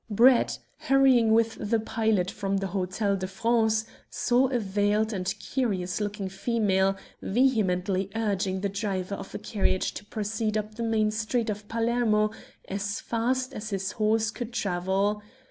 Brett, hurrying with the pilot from the Hotel de France, saw a veiled and curious looking female vehemently urging the driver of a carriage to proceed up the main street of Palermo as fast as his horse could travel.